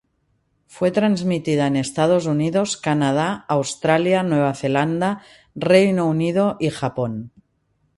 Fue transmitida en Estados Unidos, Canadá, Australia, Nueva Zelanda, Reino Unido y Japón.